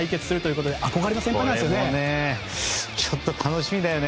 これもちょっと楽しみだよね。